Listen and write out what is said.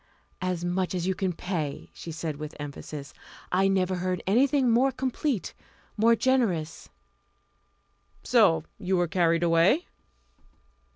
"As much as you can pay," she said with emphasis. "I never heard anything more complete, more generous." "So you were carried away?"